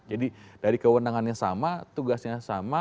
jadi dari kewenangannya sama tugasnya sama